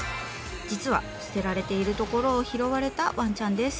実は捨てられているところを拾われたわんちゃんです。